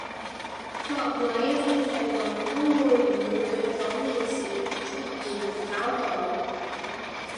各位，你哋搵工會唔會約咗面試唔出現唔交代？